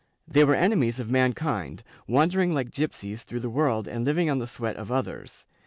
They were enemies of mankind, wandering like gypsies through the world and living on the sweat of others.